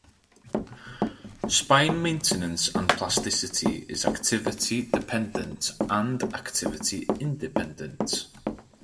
Spine maintenance and plasticity is activity-dependent and activity-independent.